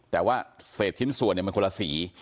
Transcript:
แต่ว่าเศษชิ้นส่วนมันคนละสี